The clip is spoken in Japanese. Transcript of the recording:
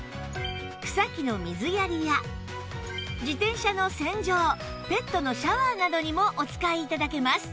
草木の水やりや自転車の洗浄ペットのシャワーなどにもお使い頂けます